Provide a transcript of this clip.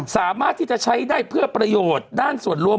สามารถที่จะใช้ได้เพื่อประโยชน์ด้านส่วนรวม